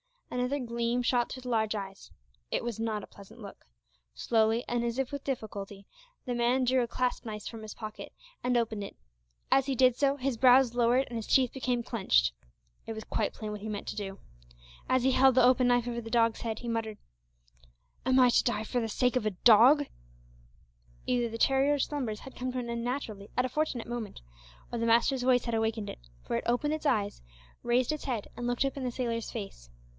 Another gleam shot through the large eyes. It was not a pleasant look. Slowly, and as if with difficulty, the man drew a clasp knife from his pocket, and opened it. As he did so, his brows lowered and his teeth became clenched. It was quite plain what he meant to do. As he held the open knife over the dog's head, he muttered, "Am I to die for the sake of a dog!" Either the terrier's slumbers had come to an end naturally, at a fortunate moment, or the master's voice had awakened it, for it opened its eyes, raised its head, and looked up in the sailor's face.